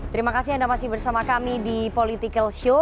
terima kasih anda masih bersama kami di political show